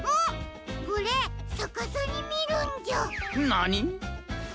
なに！？